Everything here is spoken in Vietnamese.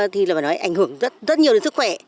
thì là phải nói ảnh hưởng rất nhiều đến sức khỏe